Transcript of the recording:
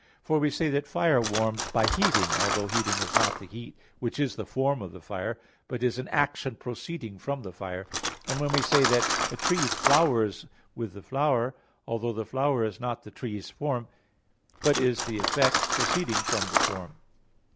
For we say that fire warms by heating, although heating is not the heat which is the form of the fire, but is an action proceeding from the fire; and we say that a tree flowers with the flower, although the flower is not the tree's form, but is the effect proceeding from the form.